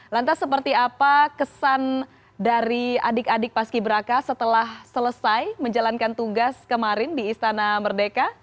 lantas seperti apa kesan dari adik adik paski beraka setelah selesai menjalankan tugas kemarin di istana merdeka